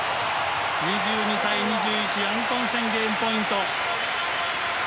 ２２対２１アントンセン、ゲームポイント。